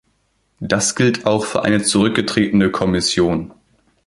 Das gilt auch für eine zurückgetretene Kommission.